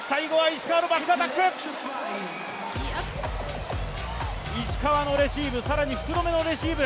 石川のレシーブ、更に福留のレシーブ。